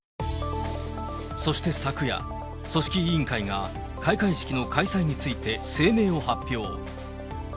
そして昨夜、組織委員会が開会式の開催について声明を発表。